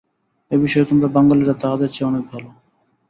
এ-বিষয়ে তোমরা বাঙালীরা তাহাদের চেয়ে অনেক ভাল।